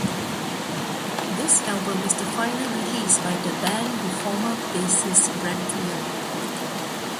This album is the final release by the band with former bassist Brent Young.